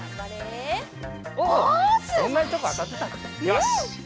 よし。